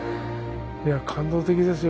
いや感動的ですよ。